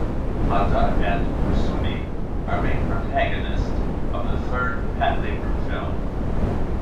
Hata and Kusumi are main protagonists of the third Patlabor film.